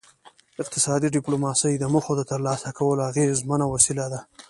اقتصادي ډیپلوماسي د موخو د ترلاسه کولو اغیزمنه وسیله ده